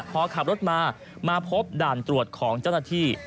พอขับรถมามาพบด่านตรวจของเจ้าหน้าที่